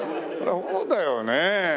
そうだよね。